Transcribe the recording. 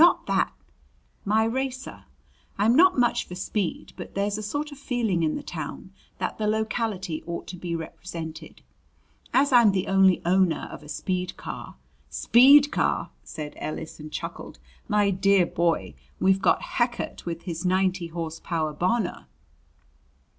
"Not that " "My racer. I'm not much for speed, but there's a sort of feeling in the town that the locality ought to be represented. As I'm the only owner of a speed car " "Speed car!" said Ellis, and chuckled. "My dear boy, we've got Heckert with his ninety horse power Bonor!"